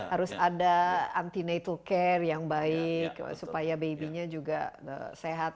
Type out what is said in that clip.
harus ada anti natal care yang baik supaya baby nya juga sehat